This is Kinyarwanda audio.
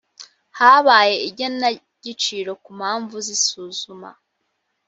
habaye igenagaciro ku mpamvu z’ isuzuma.